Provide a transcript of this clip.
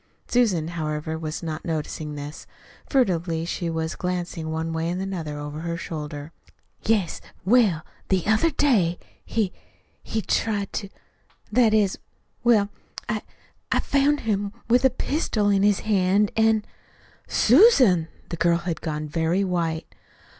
Susan, however, was not noticing this. Furtively she was glancing one way and another over her shoulder. "Yes. Well, the other day he he tried to that is, well, I I found him with a pistol in his hand, an' " "Susan!" The girl had gone very white.